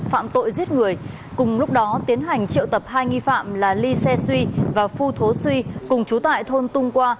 phạm tội giết người cùng lúc đó tiến hành triệu tập hai nghi phạm là ly xe xuy và phu thố xuy cùng trú tại thôn tung qua